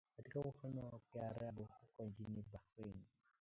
katika ufalme wa karibu huko nchini Bahrain